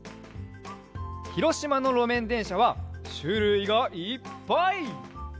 ひろしまのろめんでんしゃはしゅるいがいっぱい！